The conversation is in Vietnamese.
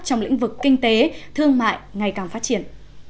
trong lĩnh vực kinh tế thương mại ngày càng phát triển